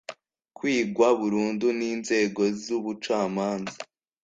kwigwa burundu n inzego z ubucamanza